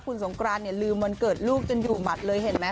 คุณสงกรานลืมวันเกิดลูกจนถูกหมัดเลยเห็นมั้ย